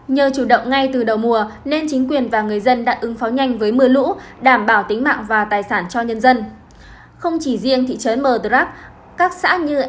nhờ chủ động ngay từ đầu mùa nên chính quyền và người dân đã ứng phó nhanh với mưa lũ đảm bảo tính mạng và tài sản cho nhân dân